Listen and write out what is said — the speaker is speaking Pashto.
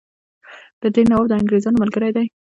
د دیر نواب د انګرېزانو ملګری دی.